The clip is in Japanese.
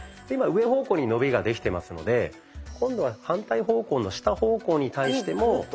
今上方向に伸びができてますので今度は反対方向の下方向に対しても。